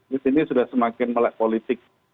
di sini sudah semakin melek politik